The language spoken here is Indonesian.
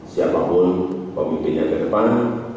siapapun pemimpin yang ke depan